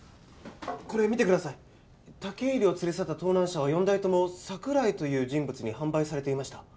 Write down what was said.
これ見てください武入を連れ去った盗難車は４台ともサクライという人物に販売されていました